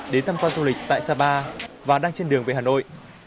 đến tham quan du lịch tại sapa và đang trên đường về hà nội